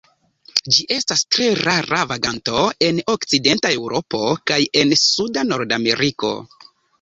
Ĝi estas tre rara vaganto en okcidenta Eŭropo kaj en suda Nordameriko.